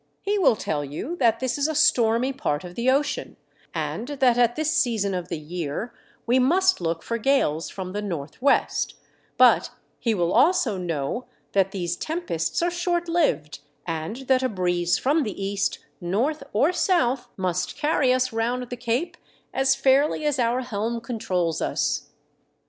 He will tell you that this is a stormy part of the ocean, and that at this season of the year we must look for gales from the north west ; but he will also know that these tempests are short lived and that a breeze from the east, north or south, must carry us round the Cape as fairly as our helm controls us."